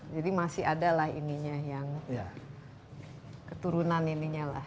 jadi masih ada lah ininya yang keturunan ininya lah